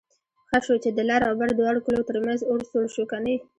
ښه شو چې د لر او بر دواړو کلو ترمنځ اور سوړ شو کني...